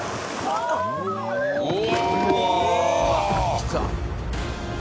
きた！